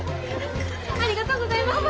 ありがとうございます。